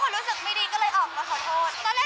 บัตรก็บัตรมียังจะโกหกว่าได้เป็นเสียงดัง